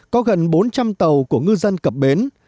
có gần bốn trăm linh tàu của ngư dân cập bến